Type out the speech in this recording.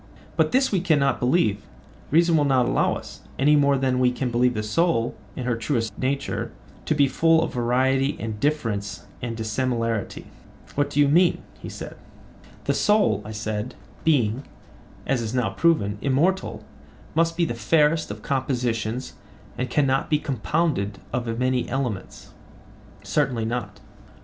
But this we cannot believe—reason will not allow us—any more than we can believe the soul, in her truest nature, to be full of variety and difference and dissimilarity. What do you mean? he said. The soul, I said, being, as is now proven, immortal, must be the fairest of compositions and cannot be compounded of many elements? Certainly not.